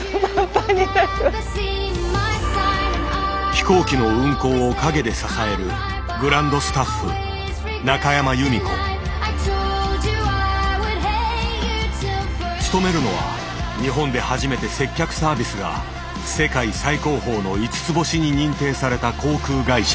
飛行機の運航を陰で支える勤めるのは日本で初めて接客サービスが世界最高峰の５つ星に認定された航空会社。